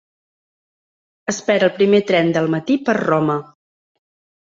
Espera el primer tren del matí per Roma.